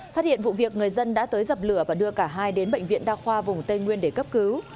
phát hiện vụ việc người dân đã tới dập lửa và đưa cả hai đến bệnh viện đa khoa vùng tây nguyên để cấp cứu